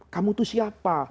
kamu itu siapa